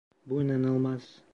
Bu inanılmaz!